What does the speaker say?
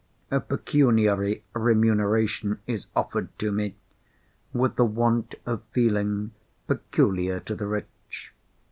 Pecuniary remuneration is offered to me—with the want of feeling peculiar to the rich.